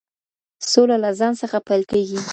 سوله له ځان څخه پيل کيږي.